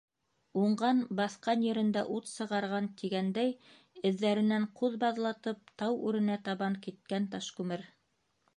Уңған баҫҡан ерендә ут сығарған, тигәндәй, эҙҙәренән ҡуҙ баҙлатып, тау үренә табан киткән Ташкүмер.